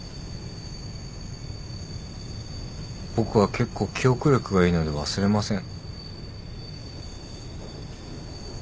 僕は結構記憶力がいいので忘れません。